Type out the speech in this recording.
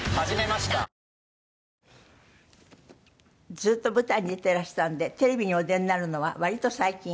ずっと舞台に出てらしたんでテレビにお出になるのは割と最近？